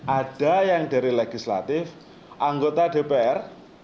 ada yang dari legislatif anggota dpr